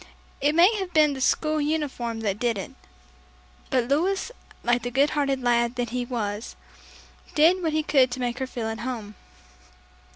It may have been the school uniform that did it. But Louis, like the good hearted lad that he was, did what he could to make her feel at home.